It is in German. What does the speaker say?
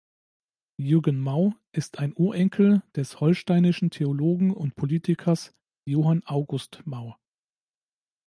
Jürgen Mau ist ein Urenkel des holsteinischen Theologen und Politikers Johann August Mau.